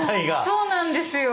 そうなんですよ！